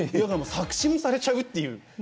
作詞もされちゃうっていう。